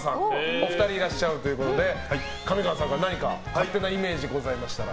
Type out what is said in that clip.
お二人いらっしゃるということで上川さんから何か勝手なイメージございましたら。